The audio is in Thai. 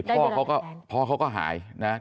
พ่อเขาก็หายนะ